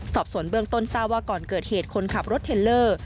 สอบสวนเบื้องต้นทราบว่าก่อนเกิดเหตุคนขับรถเทลเลอร์